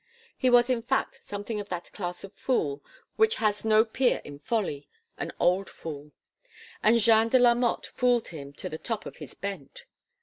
He was in fact something of that class of fool which has no peer in folly an old fool; and Jeanne de la Motte fooled him to the top of his bent.